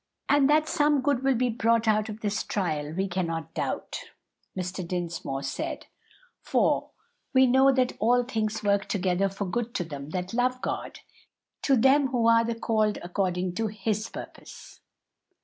"And that some good will be brought out of this trial we cannot doubt," Mr. Dinsmore said; "for 'we know that all things work together for good to them that love God, to them who are the called according to His purpose.'"